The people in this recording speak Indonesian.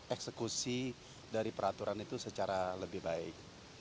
eksekusi dari peraturan itu secara lebih baik